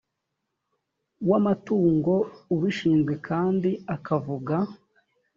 w amatungo ubishinzwe kandi akavuga